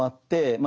まあ